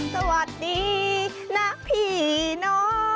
สวัสดีนะพี่น้อง